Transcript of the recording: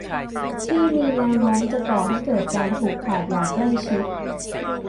ที่มีแนวโน้มจะก่อให้เกิดการผูกขาดอย่างใกล้ชิด